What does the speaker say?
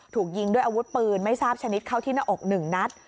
ถูกยิงด้วยอาวุธปืนไม่ทราบชนิดเข้าที่หน้าอก๑นัด